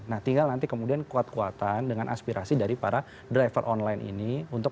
nah tinggal nanti kemudian kuat kuatan dengan aspirasi dari para driver online ini